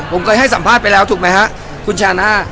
ผมเคยให้สัมภาษณ์ไปแล้วถูกไหมฮะคุณชาน่า